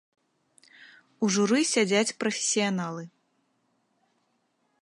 У журы сядзяць прафесіяналы.